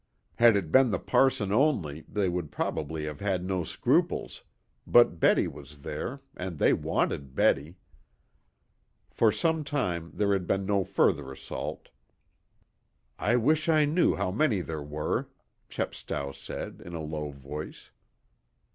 Had it been the parson only they would probably have had no scruples, but Betty was there, and they wanted Betty. For some time there had been no further assault. "I wish I knew how many there were," Chepstow said, in a low voice.